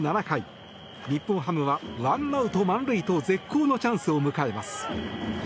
７回日本ハムは１アウト満塁と絶好のチャンスを迎えます。